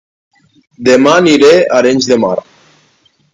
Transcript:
Dema aniré a Arenys de Mar